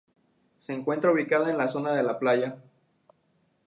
Se encuentra ubicada en la zona de la playa.